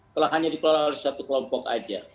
kalau hanya dikelola oleh satu kelompok saja